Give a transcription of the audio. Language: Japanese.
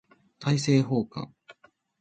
大政奉還